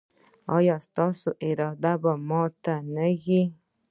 ایا ستاسو اراده به نه ماتیږي؟